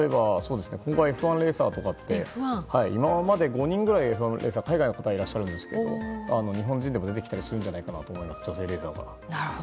今後はＦ１レーサーとかって今までは５人ぐらいは海外でいらっしゃるんですけど日本人でも出てきたりするんじゃないかなと思います。